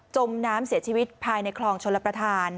มน้ำเสียชีวิตภายในคลองชลประธาน